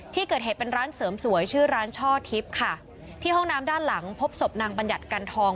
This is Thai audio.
ที่เกิดเหตุเป็นร้านเสริมสวยชื่อร้านช่อทิพย์ค่ะที่ห้องน้ำด้านหลังพบศพนางบัญญัติกันทอง